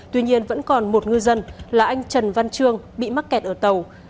tuy nhiên vẫn còn một ngư dân là anh trần văn trương bị mắc kẹt ở tàu